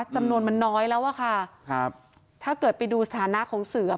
จำนวนมันน้อยแล้วอะค่ะครับถ้าเกิดไปดูสถานะของเสือ